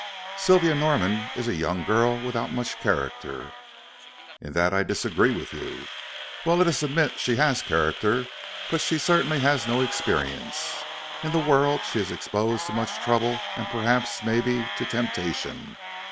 "Sylvia Norman is a young girl without much character " "In that I disagree with you." "Well, let us admit she has character, but she certainly has no experience. In the world, she is exposed to much trouble and, perhaps, may be, to temptation.